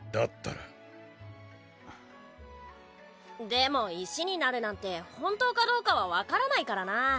でも石になるなんて本当かどうかは分からないからな。